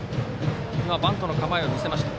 バントの構えを見せた。